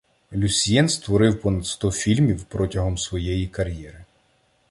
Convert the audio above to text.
Люсьєн створив понад сто фільмів протягом своєї кар'єри.